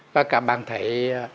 và các bạn thấy